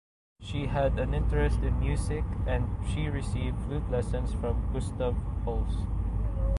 She had an interest in music and she received flute lessons from Gustav Holst.